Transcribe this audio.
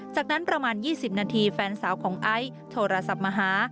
จากนั้นประมาณ๒๐นาทีแฟนสาวของไอซ์โทรศัพท์มาหา